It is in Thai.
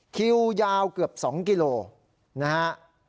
คิวยาวเกือบ๒กิโลนะฮะ